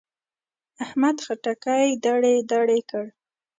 احمد خټکی دړې دړې کړ.